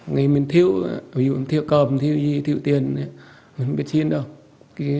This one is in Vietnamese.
ngày mình thiếu ví dụ mình thiếu cơm thiếu gì thiếu tiền mình không biết xin đâu